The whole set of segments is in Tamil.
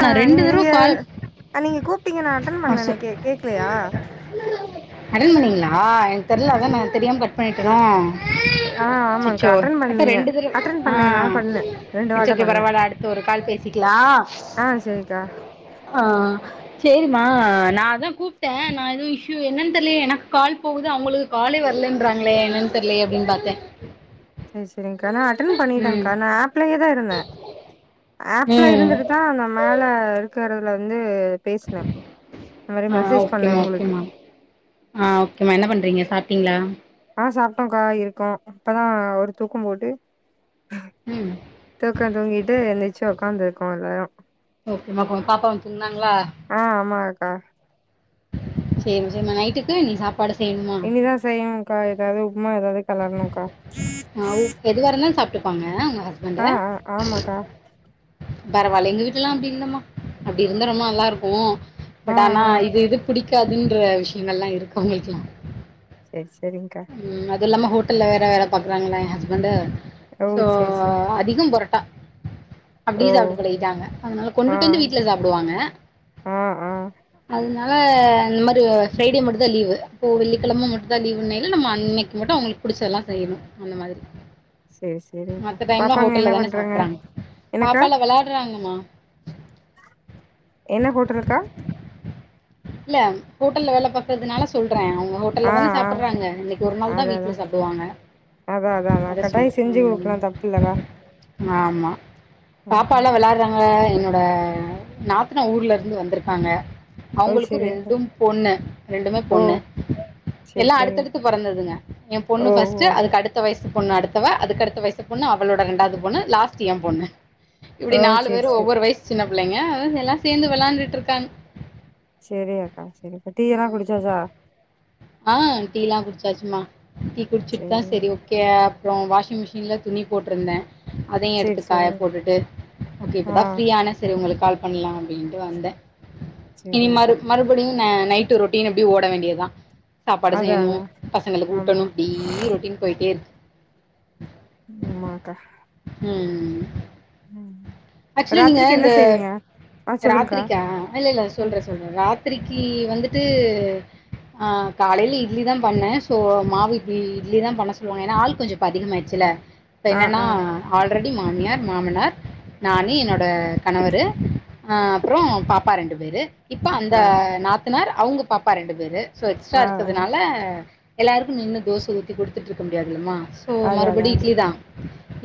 ஆ நான் ரெண்டு நீங்க தடவை நீங்க கால் நீங்க கூப்பிட்டீங்க நா அட்டன் ஆ சொ பண்ணேணே கேக்கலியா அட்டன் பண்ணீங்களா எனக்கு தெர்ல அதா நா தெரியாம கட் பண்ணிட்டனோ ஆ ஆமாக்கா அச்சச்சோ அட்டன் அப்ப பண்ணீங்க ரெண்டு தடவ அட்டன் ஆ பண்ணே நா பண்ணே ரெண்டு வாட்ட அச்சச்சோ பண்ணே பரவாயில்ல அடுத் து ஒரு கால் பேசிக்கலா ஆ செரிக்கா ஆ சேரிமா நா அதா கூப்பிட்டே நா எதோ இஷ்சு என்னன்னு தெரில எனக்கு கால் போகுது அவங்களுக்கு காலே வர்லன்றாங்களே என்னன்னு தெரிலயே அப்டின்னு பாத்தே செரி செரிக்கா நா அட்டன் ம் பண்ணிட்டேன்க்கா நா ஆப் ஆப்லயே தா இருந்தே ஆப்ல ம் இருந்துட்டு தா அந்த மேல இருக்கிறதுல வந்து பேசினே இந்த மாரி ஆ மெசேஜ் பண்ணே ஓகேம்மா உங்களுக்கு ஓகேம்மா ஆ ஓகேம்மா என்ன பண்றீங்க சாப்ட்டிங்களா ஆ சாப்ட்டோக்கா இருக்கோ இப்பதா ஒரு தூக்கம் போட்டு ம் தூக்கோ தூங்கிட்டு எந்திரிச்சு உக்காந்துருக்கோ எல்லாரு ஓகேம்மா கொஞ்சோ பாப்பாவு தூங்குனாங்ளா ஆ ஆமாங்கக்கா சேரிமா சேரிமா நைட்டுக்கு நீ சாப் பாடு செய்னுமா இனிதா செய்யணுக்கா எதாவுது உப்புமா எதாவது கெளரணுக்கா ஆ எதுவா இருந்தாலு சாப்ட்டுப்பாங்க உங்க ஹஸ்பண்ட்டு ஆ ஆ ஆமாக்கா பரவால்ல எங்க வீட்லல்லா அப்டி இல்லம்மா அப்டி இருந்தா ரொம்ப நல்லா இருக்கு ஆ பட் ஆனா ஆ இது இது புடிக்காதுன்ற விஷியங்கள்ல்லா இருக்கு உங்களுக்கெல்லா செரி செரிங்க்கா ம் அது இல்லாம ஹோட்டல்ல வேற வேல பாக்குறாங்ளா ஏ ஹஸ்பண்ட்டு ஓ சோ சேரி சேரி அதிகம் பொரட்டா ஓ அப்டியே சாப்பிட்டு பழகிட்டாங்க அதனால ஆ கொண்டுட்டு வந்து வீட்ல சாப்டுவாங்க ஆ ஆ அதனால இந்த மாரி ஃப்ரைடே மட்டு தா லீவுப்போ வெள்ளிக்கிழம மட்டுதா லீவுனே இல்லமா இன்னக்கி மட்டு அவுங்களுக்கு புடிச்தெல்லா செய்யணு அந்த மாதிரி சேரி சேரிக்கா மத்த டைம்ல பாப்பாங்க என்ன ஹோட்டல்ல தானே பண்றாங்க சாப்பறாங்க என்னக்கா பாப்பால வெளாறாங்கம்மா என்ன ஹோட்டல்க்கா இல்ல ஹோட்டல்ல வேல பாக்குறதுனால சொல்றே அவுங்க ஆ ஹோட்டல்ல தான ஆ சாப்பிறாங்க இன்னக்கி ஒரு நாள் தா அதா வீட்ல சாப்டுவாங்க அதா அதா அதா அதா கட்டாய செஞ்சு குடுக்கலா தப்புல்லக்கா ஆமா பாப்பாலா வெளாடுறா அ என்னோட நாத்தன ஊர்ல இருந்து வந்திருக்காங்க ஓ அவுங்களு க்கு சேரிக்கா ரெண்டும் பொண்ணு ரெண்டுமே ஓ பொண்ணு சேரி எல்லா சேரி அடுத்தடுத்து பெறந்ததுங்க ஏ பொண்ணு ஓ ஓ ஃபர்ஸ்ட்டு அதுக்கு அடுத் பத்து வயசு பொண்ணு அடுத்தவ அதுக்கு அடுத்த வயசு பொண்ணு அவுளோட ரெண்டாவுது பொண்ணு லாஸ்ட்டு ஏ பொண்ணு ஓ இப்டி நாலு சேரி பேரு சேரி ஒவ்வொரு வயசு சின்ன பிள்ளங்க எல்லா சேந்து வெளையாண்டுட்டு இருக்காங்க செரி அக்கா செரிக்கா டீ எல்லா ம். குடிச்சாச்சா ஆ டீ எல்லா குடிச்சாச்சுமா டீ குடிச்சிட்டு தா சேரி சரி ஓ கே அப்றோ வாஷிங் மிஷினில்ல துணி போட்ருந்த அதையு சேரி எடுத்து சேரி காய போட்டுட்டு ஓகே ஆ இப்பதா ஃப்ரீயான சரி உங்களுக்கு கால் பண்ணலாம் அப்டின்ட்டு வந்த இனி சேரி மறு அக்கா மறு அப்டின்ன நைட்டு் ரொட்டீன் எப்டி ஓட வேண்டியதா சாப்பாடு அதா செய்ணு அதா பசங்களுக்கு ஆமா ஊட்டணு அப்டீ ரொட்டின் போயிட்டே இருக்கு ஆமாக்கா ம் ம் ஆக்சுலி நீங்க ராத்திரிக்கு என்ன இந்த செய்வீங்க ஆ சொல்லுங்க்கா ராத்திரிக்கா இல்ல இல்ல ம் சொல்றே சொல்ற ராத்திரி த்திரிக்கு வந்துட்டு ஆ காலையில இட்லி தா பண்ணே சோ மாவு இட்லி இட்லி தா பண்ண சொல்லுவாங்க ஏனா ஆள் கொஞ்சோ அதிகமாயிடுச்சில்ல இப்ப ஆ என்னென்னா ஆ ஆல்ரெடி மாமியார் மாமனார் நானு என்னோட கணவரு அ அப்றோ பாப்பா ரெண்டு பேரு இப்ப அந்த ஆ நாத்தனார் அவுங்க பாப்பா ரெண்டு பேரு சோ எக்ஸ்ட்ரா ஆ ஆ இருக்கறதுனால எல்லாருக்கு நின்னு தோச ஊத்தி குடுத்துட்டு இருக்க முடியாதுல்லமா இப்போ அது மறுபடி அதான் இட்லி தா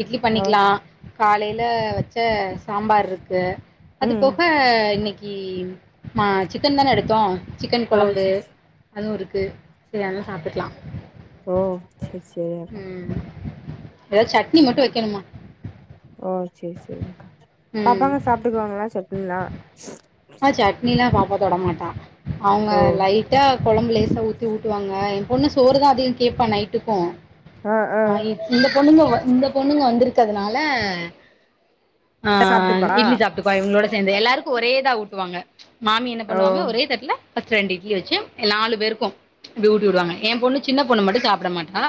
இட்லி ஓ பண்ணிக்குலா காலையில வச்ச சாம்பார் இருக்கு அது ம் போக இன்னக் மா சிக்கன் தானெ எடுத்தோ சிக்கன் ஓ கொழம்பு சரி சரி அதுவு இருக்கு சரி அதனால சாப்டுக்லா ஓகே சேர் அல்லா ஏதா சட்னி மட்டு வெக்கணுமா ஓ சேர் சேரி்ங்கா பாப்பாங்க சாப்டுக்வாங்களா சட்னி ல்லா ஆ சட்னிலா பாப்ப தொட மாட்டா அவங்க ஓ லை ட்டா கொழம்பு லேசா ஊத்தி ஊட்டுவாங்க எ பொண்ணு சோறுதா அதிகொ கேப்பா நைட்டுக்கு ஆ இந்த பொண்ணுங்க இந்த பொண்ணுங்க வந்துருக்றதுனால ஆ சாப்பிட்டுப்பா இட்லி சாப்ட்டுக்வா இவங்களோட சேந்து எல்லாருக்கு ஒரேதா ஊட்டுவாங்க மாமி என்ன ஓ பண்ணுவாங்க ஒரே தட்ல ஃபஸ்ட் ரெண்டு இட்லி வச்சு நாலு பேருக்கு ஊட்டிடுவாங்க எ பொண்ணு சின்ன பொண்ணு மட்டு சாப்ட மாட்டா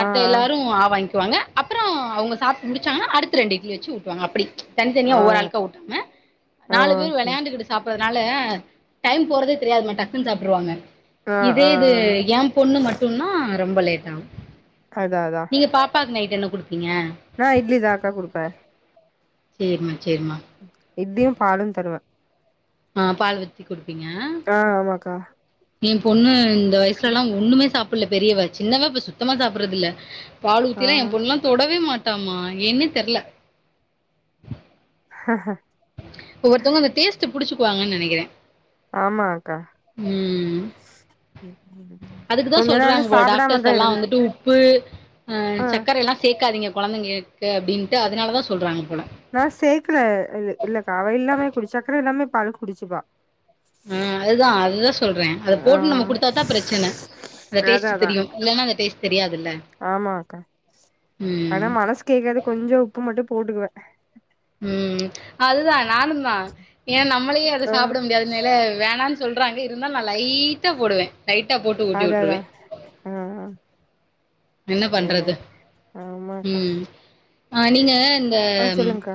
ஆ ஆ எல்லாரு ஆ வாங்கிக் வாங்க அப்பறோ அவங்க சாப்டு முடிச்சாங்கன்னா அடுத்து ரெண்டு இட்லி வச்சு ஊட்டுவாங்க அப்டி தனி தனியா ஆ ஒவ்வொரு ஆளுக்கா ஊட்டாம ஓ நாலு பேர் சரி சரி வெளையாண்டுட் சாப்பறதுனால டைம் போறதே தெரியாதுமா டக்குன்னு சாப்ட்ருவாங்க ஆ இதே ஆ இது ஆமா. ஏ பொண்ணு மட்டுன்னா ரொம்ப லேட்டாகு அதா அதா நீங்க பாப்பாக்கு நைட் என்ன கொடுப்பீங்க நா இட்லி தாக்கா குடுப்பே சேர்ம்மா சேர்ம்மா இட்டிலியு பாலு தருவ ஆ பால்ஊத்தி கொடுப்பீங்க ஆ ஆமாக்கா எ பொண்ணு இந்த வயசுல லா ஒண்ணுமே சாப்புல்ல பெரியவ சின்னவ இப்ப சுத்தமா சாப்புட்றதில்ல பாலு ஆ ஊத்திலா எ பொண்ணலா தொடவே மாட்டா மா ஏன்னே தெர்ல ஆ ஒவ்வொருத்தவங்க இந்த டேஸ்ட் புடிச்சுக்குவாங்க நெனக்கிற ஆமா அக்கா அதுக்கு தான் கொஞ்ச சொல்றாங்க நாள் போல டாக்டர்ஸ் சாப்புடாமதா எல்லாம் இருந் வந்துட்டு உப்பு ஆ சர்க்கர எல்லா சேக்காதீங்க கொழந்தைங்களுக்கு அப்டின்ட்டு அதனாலதா சொல்றாங்க போல நா சேக்கல இல்ல கா அவ இல்லாமே குடிச்ச சக்கர இல்லாமயே பால் குடிச்சுப்பா ஆ அது தா அதுதா சொல்றே அத போட்டு நம்ம ஆ கொடுத்தா தா பிரச்சன அந்த அதா டேஸ்ட் அதா தெரியு இல்லனா அந்த டேஸ்ட் தெரியாதில்ல ஆமா அக்கா ஆனா மனசு கேக்காது கொஞ்சொ உப்பு மட்டு போட்டுக்குவ ம் அதுதா நானு தா ஏன்னா நம்மளயே அத ஆ சாப்ட முடியாதுனலே வேணா சொல்றாங்க இருந்தாலு நா லைட்டா போடுவெ லைட்டா போட்டு ஊட்டி அதா உட்ருவ அதா ஆ ஆ என்ன சரி பண்றது ஆமாக்கா ம் ஆ நீங்க இந்த ஆ சொல்லுங்க்கா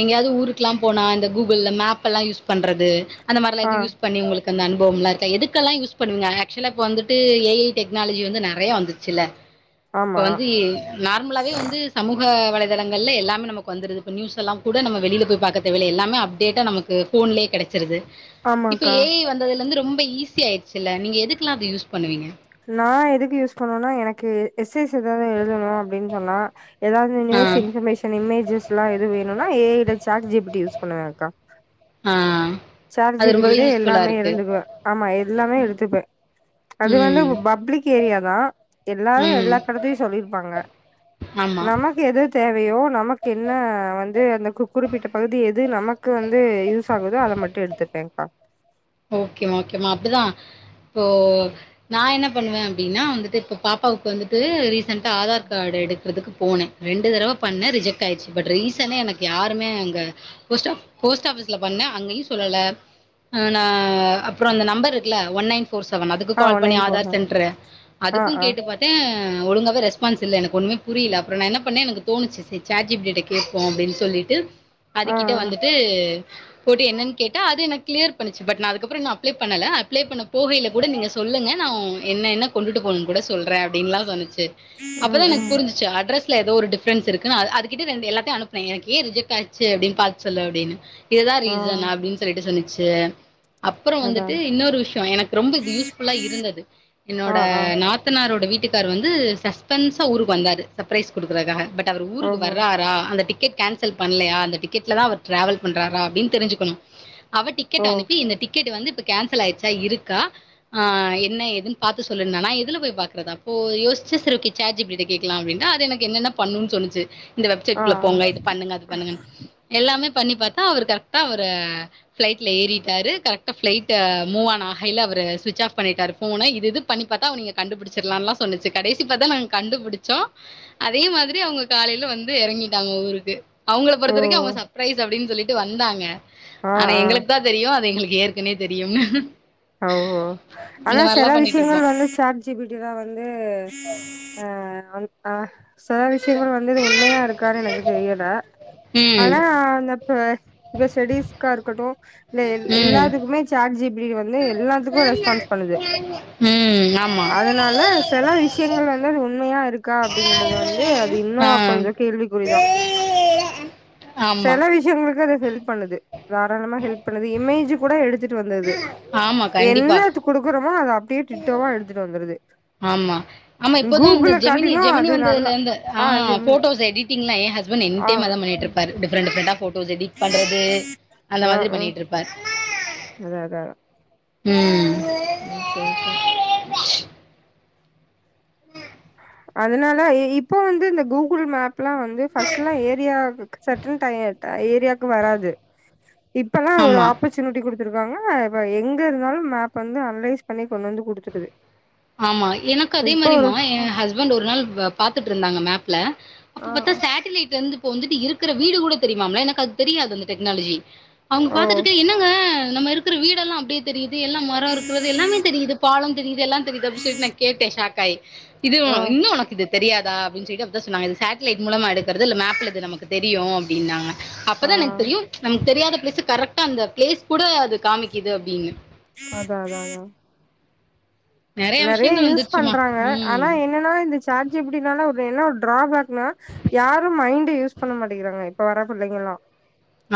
எங்கேயாவது ஊருக்லா போனா இந்த கூகுள்ள மேப்பெல்லா யூஸ் பண்றது அந்த மாரெல்லா ஆ எது யூஸ் பண்ணி உங்களுக் அந்த அனுபவம் லா இருக்க எதுக்கெல்லா யூஸ் பண்ணுவீங்க ஆக்சுலா இப்ப வந்துட்டு ஏஐ டெக்னாலஜி வந்து நெறையா வந்துச்சில்ல இப்ப ஆமா வந்து நார்மலாவே வந்து சமூக வலைதளங்களே எல்லாமே நமக்கு வந்துடுது இப்போ நியூஸ்லல்லா கூட நம்மவெளில போயி பாக்க தேவல்ல எல்லாமே அப்டேட்டா நமக்கு போன்லே கெடச்சிருது இப்ப ஆமாக்கா ஏ ஐ வந்ததுல ந்து ரொம்ப ஈசி ஆயிர்ச்சில்ல நீங்க எதுக்கெல்லா அத யூஸ் பண்ணுவீங்க நா எதுக்கு யூஸ் பண்ணுவனா எனக்கு எஸ் எஸ் ஏதாவது எழுதணு அப்டின் சொன்னா ஏதாவது ஆ நியூஸ் இன்ஃபர்மேஷன் இமேஜஸ் எல்லா எது வேணும்னா ஏஐ ட chat G B T use பண்ணுவங் கா ஆ சேட் ஜி அது பி டி ரொம்பவே ல யூஸ்ஃபுல்லா எல்லாமே இருக்கு எடுத்துப்பே ஆமா எல்லாமே எடுத்துப்பே அது வந்து இப்போ ம் பப்ளிக் ஏரியா தா எல்லாரு ம் எல்லா தளத்தையு சொல்லியிருப்பாங்க ஆமா நமக்கு எது தேவையோ நமக்கு என்ன வந்து அந்த குறிப்பிட்ட பகுதி எது நமக்கு வந்து யூஸ் ஆகுதோ அத மட் ட்டு எடுத்துப்பேங்கா ஓகேமா ஓகேமா அப்டிதா இப்போ நா என்ன பண்ணுவே அப்டின்னா வந்துட்டு இப்ப பாப்பாவுக்கு வந்துட்டு ரீசண்ட்டா ஆதார் கார்டு எடுக்கறதுக்கு போனே ரெண்டு தடவ பண்ண ரிஜெக்ட் ஆயிடுச்சி பட் ரீசணே எனக்கு யாருமே அங்கே போஸ்டப் போஸ்ட் ஆப்பீஸ்ல பண்ண அங்கயு சொல்ல ல ஆ அப்றோ அந்த நம்பர் இருக்குல ஒன் நைன் ஃபர் செவன் அதுக்கு ஆ கால் பண்ணி nine four Aadhaar seven centre ஆ அதுக்கு ஆ கேட்டு பார் டே ஒழுங்காகவே ரெஸ்பான்ஸ்யில்ல எனக்கு ஒன்னுமே புரியல அப்றோ நா என்ன பண்ணே எனக்கு தோனுச்சி சாட் ஜி பி டி கேட் கேட்போ அப்டின்னு சொல்லிட்டு அது ஆ ஆ கிட்ட வந்துட்டு போட்டு என்னன்னு கேட்டா அது எனக் கிளியர் பன்னுச்சு பட் அதுக்கப்றோ இன்னு அப்ளே பண்ணல அப்ளே பண்ண போவேயில கூட நீங்க சொல்லுங்க நா என்ன என்ன கொண்டுட்டு போனுனு கூட சொல்றே அப்டின்னுலா சொன்னுச்சி ம் அப்பதா எனக்கு ம் புரிஞ்சிச்சு அட்ரெஸ் ஏதோ ஒரு டிபெரெஸ் இருக்கு அது அது கிட்ட ரெண்டு எல்லாத்தையு அனுப்புனே எனக்கு ஏ ரிஜெக்ட் ஆச்சி அப்பிடின்னு பாத்து சொல்லு அப்டின்னு இதுதா ஆ ரீசன் அப்டின்னு சொல்லிட்டு சொன்னுச்சு அப்றோ அதா வந்துட்டு இன்னொரு விஷ்யோ எனக்கு ரொம்ப கியூஸ்ஃபுலா இருந்தது ஆ என்னோட ஆ நாத் நாத்தனாரோட வீட்டுக்காரு வந்து சஸ்பென்ஸா ஊருக்கு வந்தாரு சப்ரைஸ் குடுக்குறதுக்காக ப ட் அவரு ஊருக்கு ஓஹோ வர்றாரா அந்த டிக்கெட் கேன்சல் பண்லயா அந்த டிக்கட்ல தா அவர் ட்ராவல் பண்றாறா அப்டின் தெரிச்சுக்கணு அவ ஓ டிக்கெட் அனுப் பி இந்த டிக்கெட் வந்து இப்ப கேன்சல் ஆயிருச்சா இருக்கா ஆ என்ன ஏதுனு பாத்து சொல்லுன்னானா நா எதுல போய் பாக்குறது அப்போ யோச்சு செரி okay chat G B D கிட்ட கேட்கலா அப்டின்னா அது எனக்கு என்னென்ன பண்ணணுனு சொல்லுச்சி இந்த ஆ வெப்சைட்குள்ள ஆ போங்க இது பண்ணுங்க அது பண்ணுங்கனு எல்லாமே பண்ணி பாத்தா அவரு கரெக்டா அவரு ஃப்ளைட்ல ஏறி டாறு கரெக்டா ஃப்ளைட்டு மூவ் ஆனு ஆகைல அவரு சுவிச் ஆப் பண்ணிட்டாரு போன இது இதுப் பண்ணி பாத்தா அவுநீங்க கண்டு பிடிச்சிர்லான்லா சொன்னுச்சு கடைசி பாத்தா நாங்க கண்டுபுடிச்சோ அதே மாதிரி அவுங்க காலையில வந்து எறங்கிட்டாங்க ஊருக்கு அவுங்கள ஓ பொறுத்த வரைக்கு அவுங்க சப்ரைஸ் அப்டின் சொல்லிட்டு வந்தாங்க ஆ ஆனா ஆ எங்களுக்தா தெரியு அது எங்குளுக்கு ஏற்கனவே தெரியும்னு ஓஹோ ஆனா இந்த செல மாதிரிலாம் பண்ணிட்டு விஷயங்கள் இருப்போம் வந்து சாட் ஜி பி டி தா வந்து ஆ ம் அ செல விஷியங்கள் வந்து இது உண்மையா இருக்கானு எனக்கு தெரியல ம் ஆனா அந்த இப்ப இப்ப ஸ்டடிஸ்கா இருக்கட்டு இல்ல ம் எல்லாதுக்குமே சாட் ஜி பி டி வந் து எல்லாதுக்கு ரெஸ்பான்ஸ் பண்ணுது ம் ஆமா அ அதனாலே செல விஷயங்கள் வந்து அது உண்மையா இருக்கா அப்டிங்கிறது வந்து அது இன்னோ ஆ கொஞ்சோ கேள்விகுறிதா [inaudible] ஆமா செல விஷியங்களுக்கு அது ஹெல்ப் பண்ணுது தாராளமா ஹெல்ப் பண்ணுது இமேஜ் கூட எடுத்துட்டு வந்து ஆமா கண்டிப்பா என்னெத்து குடுக்குறோமோ அத அப்டியே டிட்டோவா எடுத்துட்டு வந்துருது ஆமா ஆமா இப்போதா அந்த கூகுள ஜெமினி காட்டிலு ஜெமினி அது நல்லா வந்ததுலேந்து ஆ போட்டோஸ் எடிட்டிங் லா எ ஹஸ்பண்ட் எனி ஆ டைம் அதா பண்ணிட்டு இருப் ம் பாரு டிப்ரட் டிப்ரட்டா போட்டோஸ் எடிட் பண்றது அந்த மாதிரி பண்ணிட்ருப்பார் அததா ம் சே சேர் சேர் அதனால இ இப்போ வந்து இந்த கூகுள் மேப்லா வந்து ஃபஸ்லா ஏரியா சட்டுனு தனி ஆட்டோ ஏரியாக்கு வராது இப்பல்லா ஒரு ஆமா ஆப் ச்சுனுட்டி குடுத்துருக்காங்க இப்ப எங்கருந்தாலு மேப் வந்து அனலைஸ் பண்ணி கொண்ணுவந்து குடுத்துருது ஆமா எனக்கு அதே இப்போ ஒரு மாரிமா எ ஆப்ஷன் ஹஸ்பண்ட் ஒரு நாள் பாத்துட்ருந்தாங்க மேப்ல அப்ப ஆ பாத்தா சேட்டிலைட்டு வந்து இப்ப வந்துட்டு இருக்கிற வீடு கூட தெரிமாம்ல எனக்கு அது தெரியாது அந்த டெக்னாலஜி அவுங்க ஓ பாத்துட்ருக்க என்னங்க நம்ம இருக்குற வீடெல்லா அப்டே தெரிது எல்லா மரோ இருக்றது எல்லாமே தெரிது பாலோ தெரிது எல்லா தெரிது அப்டி சொல்ட்டு நா கேட்டே ஷாக்காயி இதுவு ஆ இன்னு ஒனக்கிது தெரியாதா அப்டின் சொல்லிட்டு அப்பதா சொன்னாங்க இது சாட்டிலைட் மூலமா எடுக்கற்து இத்ல மேப்புல இது நமக்கு தெரியு அப்டின்னாங்க ஆ அப்பதா எனக்தெரியு நமக் தெரியாத பிளேஸு கரெக்டா அந்த பிளேஸ் கூட அது காமிக்குது அப்டினு அதா அதா அதா நெறைய நறைய விஷயங்கள் யூஸ் வந்துருச்சுமா. பண்றாங்க ஆனா ம். என்னனா இந்த சாட் ஜி பி டி னால ஒரு என்ன ஒரு ட்ராபேக்னா யாரோ மைண்டு யூஸ் பண்ண மாட்டேங்கிறாங்க இப்ப வர புள்ளைங்கள்லா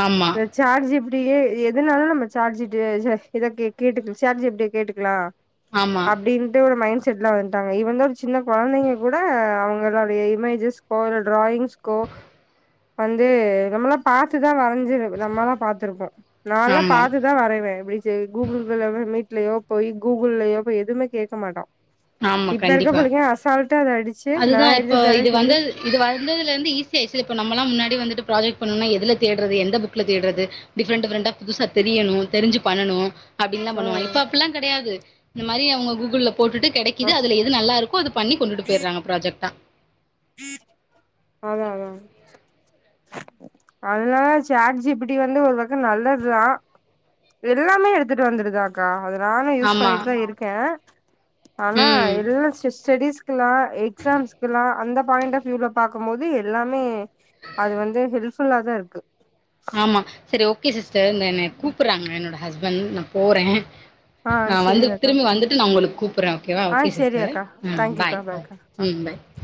ஆமா இந்த சாட் ஜி பி டி ய எதுனாலு நம்ம சாட் ஜி பி டி ய இத கே கேட்டுக் சாட் ஜி பி டி ய கேட்டுக்லா ஆமா அப்டின்ட்டு ஒரு மைண்ட் செட்ல வன்ட்டாங்க இவுங்க சின்ன கொழந்தைங்க கூட அவுங்களுடைய இமேஜஸ் இப்போ ஒரு டிராயிங்ஸ்கோ வந்து நம்மல்லா பாத்து தா வரஞ்சிரு நம்மலா பாத்திருப்போ நா லா ஆமா பாத்து தா வரைவே இப்டி செய் கூகுள் [unintelligible] மீட்லயோ போய் கூகுள்லயோ போய் எதுமே கேக்கமாட்டோ ஆமா இப்பருக்க கண்டிப்பா புள்ளைங்க அசால்ட்டா அத அடிச்சு நா அதுதா எடுத்து இப்போ தரே இது சொல்லி வந்தது இது வந்ததுலந்து ஈசியாச்சில இப்ப நம்மலா முன்னாடி வந்துட்டு் ப்ராஜக்ட் பண்ணனுன்னா எதுல தேட்றது எந்த புக்ல தேட்றது டிஃப்ரெண்ட் டிஃப்ரெண்டா புதுசா தெரியனு தெரிஞ்சு பண்ணணு அப்டின் தா ஆ பண்ணுவோ இப்ப அப்பில்லா கெடயாது இந்த மாரி அவுங்க கூகுள்ல போட்டுட்டு ஆ கெடைக்கிது அதுல எ து நல்லாருக்கோ அதுப் பண்ணி கொண்டுட்டு போய்றாங்க ப்ராஜக்டா அதா அதா அதுனால சாட் ஜி பி டி வந்து ஒரு பக்கோ நல்லதுதா எல்லாமே எடுத்துட்டு வந்துருதா கா அது நானு யூஸ் ஆமா பண்ணிட்டு தா இருக்கே ஆனா ம் எல்லா ஸ் ஸ்டெடிஸ்க்லா எக்ஸாம்ஸ்க்லா அந்த பாயிண்ட்டாஃப் வியூல பாக்கும் போது எல்லாமே அது வந்து ஹெல்ப்ஃபுல்லா தாருக்கு ஆமா செரி ஓகே சிஸ்டர் இந்த என்ன கூப்புறாங்க என்னோட ஹஸ்பண்ட் நா போறே ஆ நா செரி வந்துட் அக்கா திரும்பி வந்துட்டு நா ஒங்களுக் கூப்புறே ஓகேவா ஆ ஓகே செரி சிஸ்டர் அக்கா ம் பாய் தேங்க்யூக்கா ம் பாய்க்கா ஆ ம் பாய்